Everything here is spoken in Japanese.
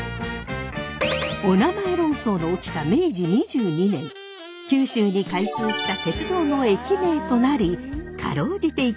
お名前論争の起きた明治２２年九州に開通した鉄道の駅名となり辛うじて生き残った博多ネーム。